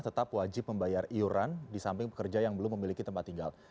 tetap wajib membayar iuran di samping pekerja yang belum memiliki tempat tinggal